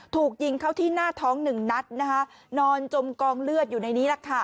ถูกยิงเขาที่หน้าท้องหนึ่งนัดนอนจมกองเลือดอยู่ในนี้